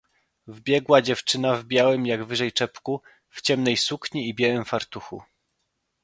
"Wbiegła dziewczyna w białym jak wyżej czepeczku, w ciemnej sukni i białym fartuchu."